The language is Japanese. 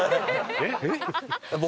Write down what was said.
えっ？